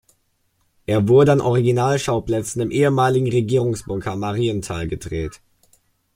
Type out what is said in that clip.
Er wurde an Originalschauplätzen im ehemaligen Regierungsbunker Marienthal gedreht.